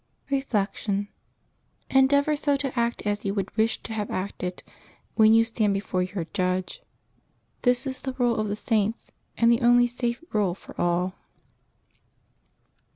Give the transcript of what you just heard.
Reflection. — Endeavor so to act as you would wish to have acted, when you stand before your Judge. This is the rule of the Saints, and the only safe rule for all.